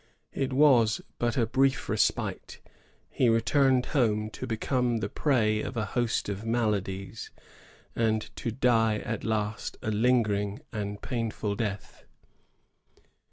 It was but a brief respite ; he returned home to become the prey of a host of maladies, and to die at last a lingering and painful death.